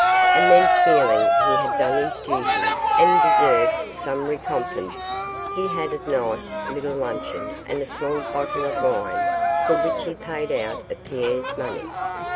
And then feeling he had done his duty and deserved some recompense, he had a nice little luncheon and a small bottle of wine for which he paid out of Pierre's money.